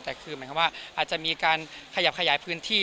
แต่คืออาจจะมีการขยับขยายพื้นที่